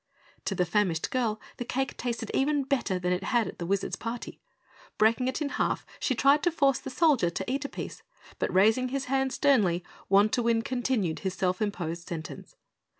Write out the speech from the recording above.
To the famished girl, the cake tasted even better than it had at the Wizard's party. Breaking it in half, she tried to force the soldier to eat a piece, but raising his hand sternly, Wantowin continued his self imposed sentence.